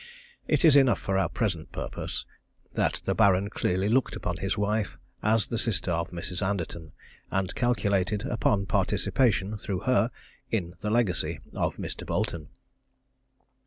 It is enough for our present purpose that the Baron clearly looked upon his wife as the sister of Mrs. Anderton, and calculated upon participation, through her, in the legacy of Mr. Boleton.